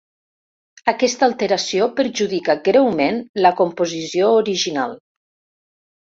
Aquesta alteració perjudica greument la composició original.